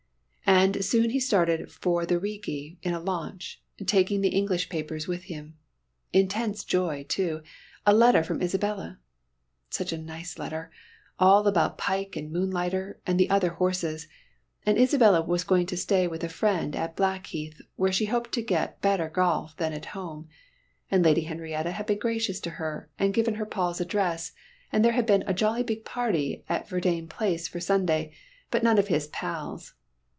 And soon he started for the Rigi in a launch, taking the English papers with him. Intense joy, too! A letter from Isabella! Such a nice letter. All about Pike and Moonlighter, and the other horses and Isabella was going to stay with a friend at Blackheath, where she hoped to get better golf than at home and Lady Henrietta had been gracious to her, and given her Paul's address, and there had been a "jolly big party" at Verdayne Place for Sunday, but none of his "pals."